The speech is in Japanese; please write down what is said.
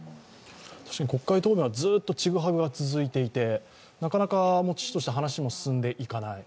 確かに国会答弁はずっとちぐはぐが続いていて、遅々として話も進んでいかない。